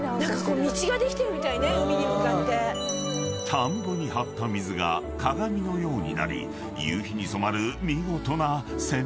［田んぼに張った水が鏡のようになり夕日に染まる見事な千枚田］